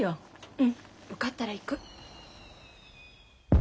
うん受かったら行く。